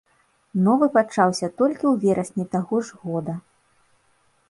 Новы пачаўся толькі ў верасні таго ж года.